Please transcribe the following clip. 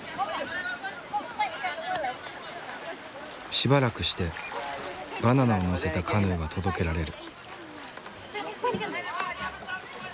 しばらくしてバナナを載せたカヌーが届けられる。